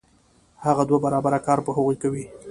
هغه دوه برابره کار په هغوی کوي